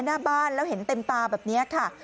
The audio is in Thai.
หน้าบ้านแล้วเห็นเต็มตาแบบนี้ค่ะ